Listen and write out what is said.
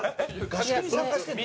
合宿に参加してるの？